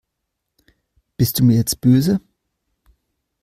Bist du mir jetzt böse?